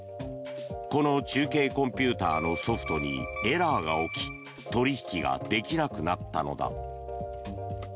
この中継コンピューターのソフトにエラーが起き取引ができなくなったのだ。